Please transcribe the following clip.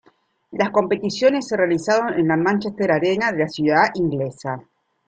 Las competiciones se realizaron en la Manchester Arena de la ciudad inglesa.